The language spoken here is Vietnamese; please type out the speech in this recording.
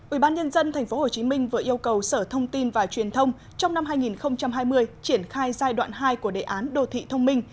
ubnd tp hcm vừa yêu cầu sở thông tin và truyền thông trong năm hai nghìn hai mươi triển khai giai đoạn hai của đề án đô thị thông minh